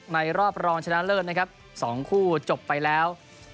รอบรองชนะเลิศนะครับ๒คู่จบไปแล้ว